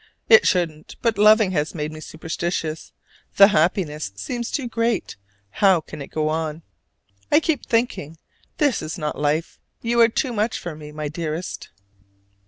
It shouldn't, but loving has made me superstitious: the happiness seems too great; how can it go on? I keep thinking this is not life: you are too much for me, my dearest!